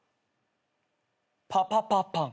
パパパパン。